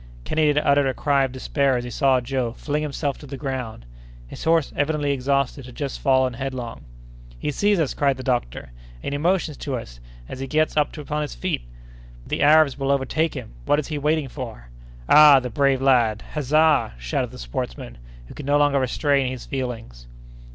Kennedy had uttered a cry of despair as he saw Joe fling himself to the ground. His horse, evidently exhausted, had just fallen headlong. "He sees us!" cried the doctor, "and he motions to us, as he gets upon his feet!" "But the Arabs will overtake him! What is he waiting for? Ah! the brave lad! Huzza!" shouted the sportsman, who could no longer restrain his feelings.